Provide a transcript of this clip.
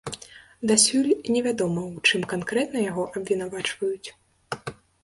Дасюль невядома, у чым канкрэтна яго абвінавачваюць.